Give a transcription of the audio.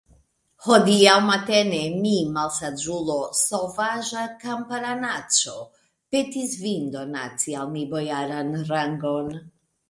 Hodiaŭ matene mi, malsaĝulo, sovaĝa kamparanaĉo, petis vin donaci al mi bojaran rangon.